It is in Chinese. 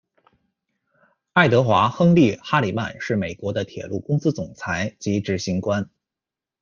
爱德华·亨利·哈里曼是美国的铁路公司总裁及执行官。